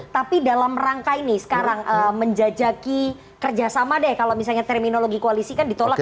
tapi dalam rangka ini sekarang menjajaki kerjasama deh kalau misalnya terminologi koalisi kan ditolak